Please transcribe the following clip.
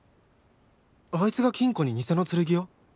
あいつが金庫に偽の剣を？